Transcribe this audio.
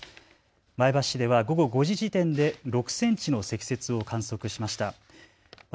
前橋市では午後５時時点で６センチの積雪を観測しました。